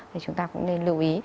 thì chúng ta cũng nên lưu ý